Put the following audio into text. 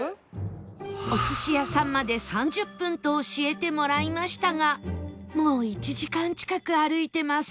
お寿司屋さんまで３０分と教えてもらいましたがもう１時間近く歩いてます